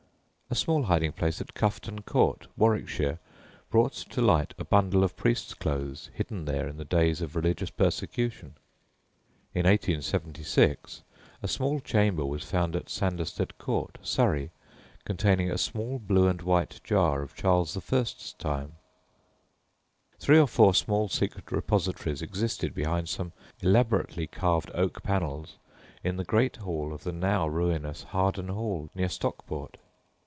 A small hiding place at Coughton Court, Warwickshire, brought to light a bundle of priest's clothes, hidden there in the days of religious persecution. In 1876 a small chamber was found at Sanderstead Court, Surrey, containing a small blue and white jar of Charles I.'s time. Three or four small secret repositories existed behind some elaborately carved oak panels in the great hall of the now ruinous Harden Hall, near Stockport.